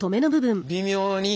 微妙に。